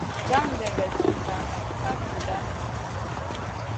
Gandebe sunda nak ka gudanu.